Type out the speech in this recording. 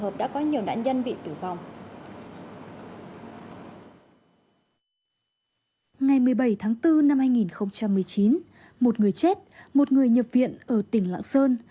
một người nhập viện ở tỉnh lạng sơn